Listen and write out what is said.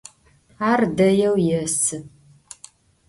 Ar deêu yêsı.